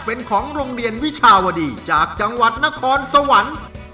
เป็นของโรงเรียนวิชาวดีจากจังหวัดนครสวรรค์